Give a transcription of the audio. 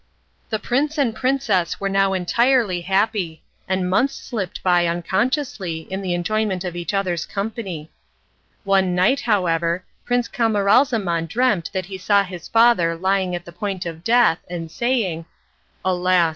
The prince and princess were now entirely happy, and months slipped by unconsciously in the enjoyment of each other's society. One night, however, Prince Camaralzaman dreamt that he saw his father lying at the point of death, and saying: "Alas!